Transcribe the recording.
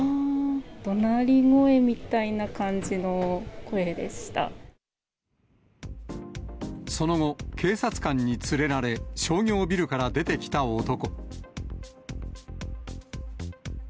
どなり声みたいな感じの声でその後、警察官に連れられ、商業ビルから出てきた男。